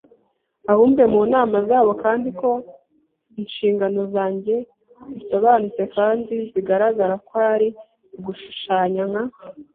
ubumve mu nama zabo, kandi ko inshingano zanjye zisobanutse kandi zigaragara kwari ugushushanya nka